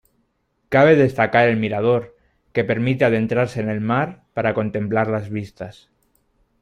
Cabe destacar el mirador, que permite adentrarse en el mar para contemplar las vistas.